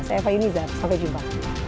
saya fahim izzat sampai jumpa